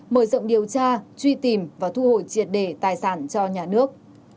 mở rộng điều tra truy tìm và thu hồi triệt đề tài sản cho nhà nước